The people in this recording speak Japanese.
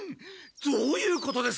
どういうことです？